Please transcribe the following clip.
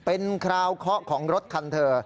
เป็นคราวเคาะของรถคันเธอ